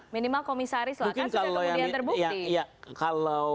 minimal komisaris lah kan sudah kemudian terbukti